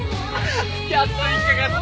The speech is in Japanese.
やっと引っ掛かった！